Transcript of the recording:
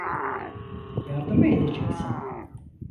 Yardım mı edeceksin?